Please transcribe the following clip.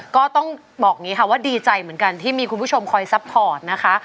ก็ต้องบอกว่าดีใจเหมือนกันที่มีคุณผู้ชมคอยซัพพอร์ตนะคะ